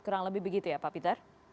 kurang lebih begitu ya pak peter